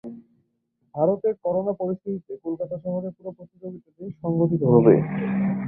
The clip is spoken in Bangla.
ভারতে করোনা পরিস্থিতিতে কলকাতা শহরে পুরো প্রতিযোগিতাটি সংঘটিত হবে।